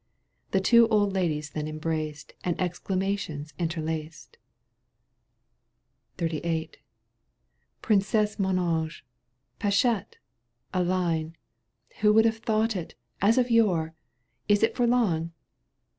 The two old ladies then embraced And exclamations interlaced. XXXVIIL *'Princesse, mon ange !"— "Pachette !"— "Aline!" " Who would have thought it ? As of yore ! Is it for long